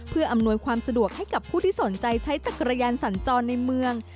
เพื่ออำนวยความสะดวกให้กับผู้ที่สนใจใช้จักรยานสัญจรในเมือง